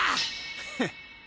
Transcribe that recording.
フッ！